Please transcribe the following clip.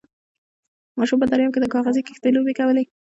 ماشوم په درياب کې د کاغذي کښتۍ لوبې کولې.